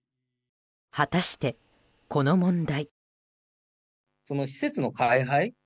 果たして、この問題。